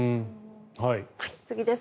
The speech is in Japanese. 次です。